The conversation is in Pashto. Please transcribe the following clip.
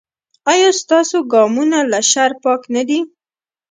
ایا ستاسو ګامونه له شر پاک نه دي؟